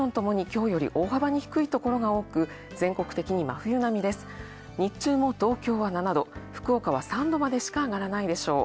日中も、東京は７度、福岡は３度までしか上がらないでしょう。